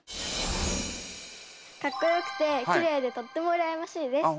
かっこよくてきれいでとってもうらやましいです。